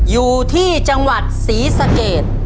อยู่ที่จังหวัดศรีสะเกด